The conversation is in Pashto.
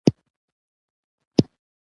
اوس چې يې د اقتدار دوره پای ته رسېږي.